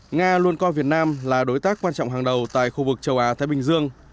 nga luôn coi việt nam là đối tác quan trọng hàng đầu tại khu vực châu á thái bình dương